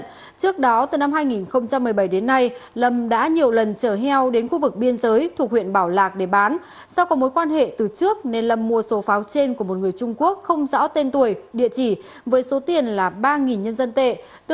trước đó từ năm hai nghìn một mươi bảy đến nay lâm đã nhiều lần chở heo đến khu vực biên giới thuộc huyện bảo lạc để bán do có mối quan hệ từ trước nên lâm mua số pháo trên của một người trung quốc không rõ tên tuổi địa chỉ với số tiền là ba nhân dân tệ